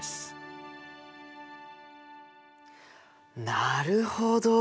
なるほど。